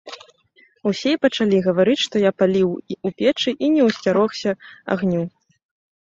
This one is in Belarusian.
Усе і пачалі гаварыць, што я паліў у печы і не ўсцярогся агню.